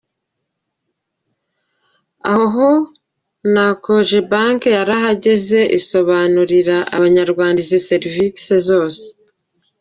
Aha hose na Cogebanque yarahageze isobanurira Abanyarwanda izi serivisi zose.